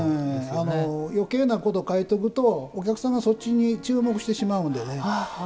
よけいなこと書いておくとお客さんがそっちに注目してしまうんでね。